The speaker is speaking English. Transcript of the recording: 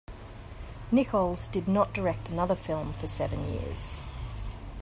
Nichols did not direct another film for seven years.